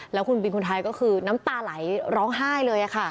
แล้วคุณบินคนไทยก็คือน้ำตาไหลร้องไห้เลย